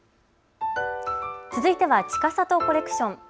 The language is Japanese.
続いては、ちかさとコレクション。